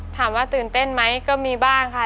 ถามว่าตื่นเต้นไหมก็มีบ้างค่ะ